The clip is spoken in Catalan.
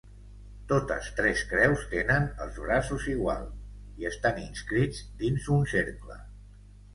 Totes tres creus tenen els braços iguals i estan inscrits dins un cercle.